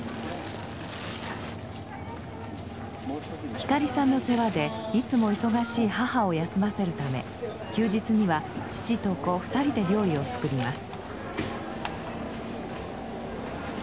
光さんの世話でいつも忙しい母を休ませるため休日には父と子２人で料理を作ります。